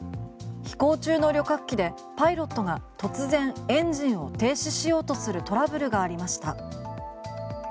飛行中の旅客機でパイロットが突然エンジンを停止しようとするトラブルがありました。